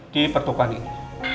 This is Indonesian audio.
di pertukar ini